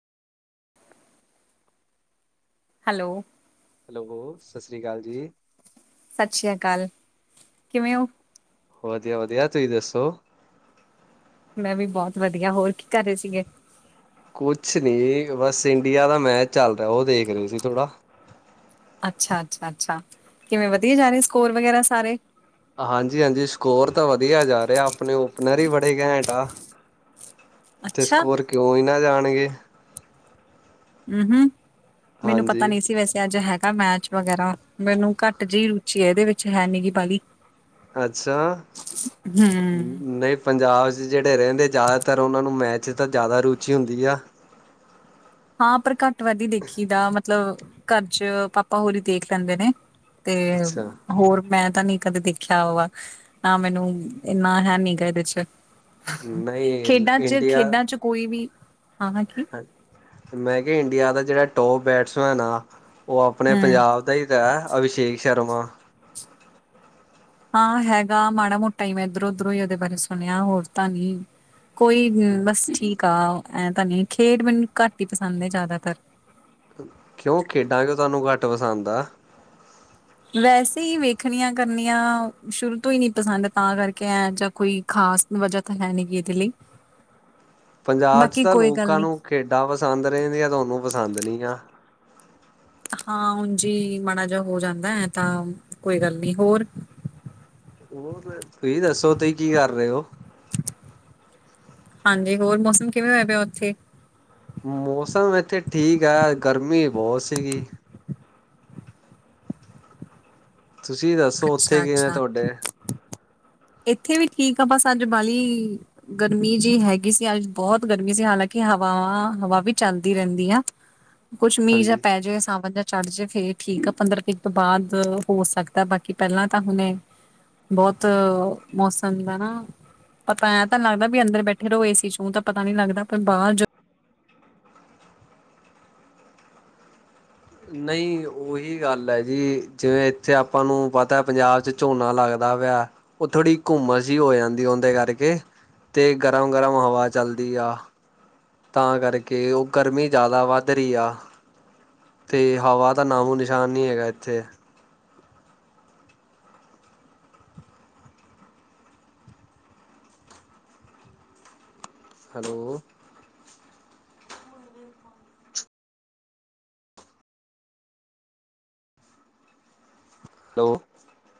Hello- hello, Sat Sri ਅਕਾਲ ਜੀ। ਸਤਿ ਸ੍ਰੀ ਅਕਾਲ, ਕਿਵੇਂ ਓ? ਵਧੀਆ ਵਧੀਆ, ਤੁਹੀਂ ਦੱਸੋ? ਮੈਂ ਵੀ ਬਹੁਤ ਵਧੀਆ, ਹੋਰ ਕੀ ਕਰ ਰਹੇ ਸੀਗੇ? ਕੁਛ ਨੀ, ਬਸ ਇੰਡੀਆ ਦਾ ਮੈਚ ਚੱਲ ਰਿਹਾ, ਉਹ ਦੇਖ ਰਹੇ ਸੀ ਥੋੜਾ। ਅੱਛਾ, ਅੱਛਾ, ਅੱਛਾ, ਕਿਵੇਂ ਵਧੀਆ ਜਾ ਰਹੇ ਸਕੋਰ ਵਗੈਰਾ ਸਾਰੇ? ਹਾਂਜੀ ਹਾਂਜੀ, ਸਕੋਰ ਤਾਂ ਵਧੀਆ ਜਾ ਰਿਹਾ, ਆਪਣੇ ਓਪਨਰ ਹੀ ਬੜੇ ਘੈਂਟ ਆ। ਤੇ ਅੱਛਾ, ਸਕੋਰ, ਕਿਉਂ ਈ ਨਾ ਜਾਣਗੇ। ਊ ਹੂੰ, ਮੈਨੂੰ ਹਾਂਜੀ। ਪਤਾ ਨੀ ਸੀ ਵੈਸੇ, ਅੱਜ ਹੈਗਾ ਮੈਚ ਵਗੈਰਾ, ਮੈਨੂੰ ਘੱਟ ਜਿਹੀ ਰੁਚੀ ਇਹਦੇ ਵਿੱਚ, ਹੈ ਨੀ ਗੀ ਬਾਹਲੀ। ਅੱਛਾ, ਨਹੀਂ ਪੰਜਾਬ 'ਚ ਜਿਹੜੇ ਰਹਿੰਦੇ, ਜ਼ਿਆਦਾਤਰ ਉਹਨਾਂ ਨੂੰ ਮੈਚ ਤਾਂ ਜ਼ਿਆਦਾ ਰੁਚੀ ਹੁੰਦੀ ਆ। ਹਾਂ ਪਰ ਘੱਟ ਵੱਧ ਹੀ ਦੇਖੀਦਾ, ਮਤਲਬ ਘਰ 'ਚ ਪਾਪਾ ਹੁਰੀ ਦੇਖ ਲੈਂਦੇ ਨੇ। ਤੇ ਅੱਛਾ। ਹੋਰ ਮੈਂ ਤਾਂ ਨੀ ਕਦੇ ਦੇਖਿਆ ਵਾ, ਨਾ ਮੈਨੂੰ ਇੰਨਾ ਹੈ ਨੀ ਗਾ ਇਹਦੇ 'ਚ। ਨਹੀਂ ਖੇਡਾਂ 'ਚ ਇੰਡੀਆ ਖੇਡਾਂ 'ਚ ਕੋਈ ਵੀ, ਹਾਂ ਹਾਂ, ਕੀ ਮੈਂ ਕਿਹਾ ਇੰਡੀਆ ਦਾ ਜਿਹੜਾ ਟੋਪ ਬੈਟਸਮੈਨ ਆ, ਉਹ ਆਪਣੇ ਹੂੰ ਪੰਜਾਬ ਈ ਦਾ, ਅਭਿਸ਼ੇਕ ਸ਼ਰਮਾ। ਹਾਂ ਹੈਗਾ, ਮਾੜਾ ਮੋਟਾ ਈ ਮੈਂ ਇਧਰੋਂ-ਉਧਰੋਂ ਹੀ ਉਹਦੇ ਬਾਰੇ ਸੁਣਿਆ, ਹੋਰ ਤਾਂ ਨੀ ਕੋਈ ਬਸ ਠੀਕ ਆ, ਐਂ ਤਾਂ ਨੀ ਖੇਡ ਮੈਨੂੰ ਘੱਟ ਹੀ ਪਸੰਦ ਐ ਜ਼ਿਆਦਾਤਰ। ਕਿਉਂ, ਖੇਡਾਂ ਕਿਂਉ ਤੁਹਾਨੂੰ ਘੱਟ ਪਸੰਦ ਆ? ਵੈਸੇ ਹੀ ਵੇਖਣੀਆਂ ਕਰਨੀਆਂ, ਸ਼ੁਰੂ ਤੋਂ ਹੀ ਨਹੀਂ ਪਸੰਦ, ਤਾਂ ਕਰਕੇ ਐ ਜਾਂ ਕੋਈ ਖਾਸ ਵਜਾ ਤਾ ਹੈ ਨੀ, ਵੀ ਇਦੇ ਲਈ। ਪੰਜਾਬ 'ਚ ਬਾਕੀ ਤਾਂ ਕੋਈ ਗੱਲ ਲੋਕਾਂ ਨੀ ਨੂੰ ਖੇਡਾਂ ਪਸੰਦ ਰਹਿੰਦੀਆਂ, ਤੁਹਾਨੂੰ ਪਸੰਦ ਨਹੀਂ ਆ। ਹਾਂ ੳਂਝ ਹੀ ਮਾੜਾ ਜਿਹਾ ਹੋ ਜਾਂਦਾ ਹੈ, ਤਾਂ ਕੋਈ ਗੱਲ ਨੀ। ਹੋਰ ਹੋਰ ਤੁਸੀਂ ਦੱਸੋ, ਤੁਸੀਂ ਕੀ ਕਰ ਰਹੇ ਹੋ? ਹਾਂਜੀ, ਹੋਰ ਮੌਸਮ ਕਿਵੇਂ ਹੋਆ ਪਿਆ ਉੱਥੇ? ਮੌਸਮ ਇੱਥੇ ਠੀਕ ਹੈ, ਗਰਮੀ ਬਹੁਤ ਸੀਗੀ। ਤੁਸੀਂ ਦੱਸੋ, ਉੱਥੇ ਅੱਛਾ ਕਿਵੇ ਅੱਛਾ ਤੁਹਾਡੇ? ਇੱਥੇ ਵੀ ਠੀਕ ਆ, ਬਸ ਅੱਜ ਬਾਲੀ ਗਰਮੀ ਜੀ ਹੈਗੀ ਸੀ, ਅੱਜ ਬਹੁਤ ਗਰਮੀ ਸੀ। ਹਾਲਾਂਕਿ ਹਵਾਵਾਂ-ਹਵਾ ਵੀ, ਚੱਲਦੀ ਰਹਿੰਦੀ ਆ। ਕੁਛ ਮੀਂਹ ਜਾਂ ਹਾਂਜੀ। ਪੈ ਜਾੇਗਾ, ਸਾਵਣ ਚੱੜ ਜੇ ਫੇਰ ਠੀਕ ਆ। ਪੰਦਰਾਂ 'ਕ ਦਿਨ ਬਾਅਦ ਹੋ ਸਕਦਾ, ਬਾਕੀ ਪਹਿਲਾਂ ਤਾਂ ਹੁਣੇ ਬਹੁਤ ਮੌਸਮ ਦਾ ਨਾ ਪਤਾ ਐਂ ਤਾਂ ਲੱਗਦਾ, ਵੀ ਅੰਦਰ ਬੈਠੇ ਰਹੋ ਏਸੀ 'ਚੂ ਤਾਂ ਪਤਾ ਨਹੀਂ ਲੱਗਦਾ, ਪਰ ਬਾਹਰ ਨਹੀਂ ਉਹੀ ਗੱਲ ਹੈ ਜੀ, ਜਿਵੇਂ ਇੱਥੇ ਆਪਾਂ ਨੂੰ ਪਤਾ, ਪੰਜਾਬ 'ਚ ਝੋਨਾ ਲੱਗਦਾ ਪਿਆ। ਉਹਥੋੜ੍ਹੀ ਘੁੰਮਣ ਹੀ ਹੋ ਜਾਂਦੀ ਉਹਦੇ ਕਰਕੇ, ਤੇ ਗਰਮ-ਗਰਮ ਹਵਾ ਚਲਦੀ ਆ। ਤਾਂ ਕਰਕੇ, ਉਹ ਗਰਮੀ ਜ਼ਿਆਦਾ ਵੱਧ ਰਹੀ ਆ। ਤੇ ਹਵਾ ਦਾ ਨਾਮੋ-ਨਿਸ਼ਾਨ ਨਹੀਂ ਹੈਗਾ, ਇੱਥੇ। ਹੈਲੋ। ਹੈਲੋ।